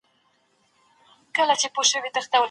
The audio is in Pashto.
لا خو زما او د قاضي یوشان رتبه ده